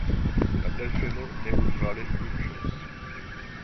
La delfeno neŭtrale juĝos.